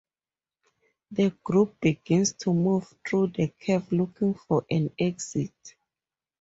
The group begins to move through the cave looking for an exit.